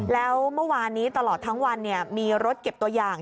แล้วเมื่อวานนี้ตลอดทั้งวันมีรถเก็บตัวอย่าง